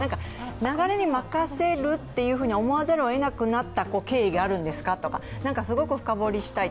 流れに任せるっていうふうに想わざるを得なくなった経緯があるんですかとか、すごく深掘りしたい